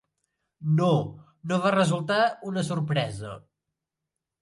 No, no va resultar una sorpresa.